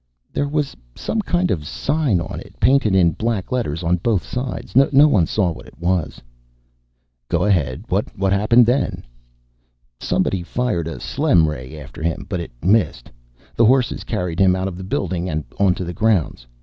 "There was some kind of sign on it. Painted in black letters on both sides. No one saw what it was." "Go ahead. What happened then?" "Somebody fired a Slem ray after him, but it missed. The horses carried him out of the building and onto the grounds.